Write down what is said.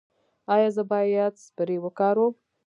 ایا زه باید سپری وکاروم؟